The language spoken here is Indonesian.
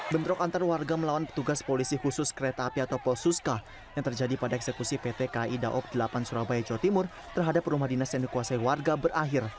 bentrok antar warga melawan petugas polisi khusus kereta api atau posuska yang terjadi pada eksekusi pt kai daob delapan surabaya jawa timur terhadap rumah dinas yang dikuasai warga berakhir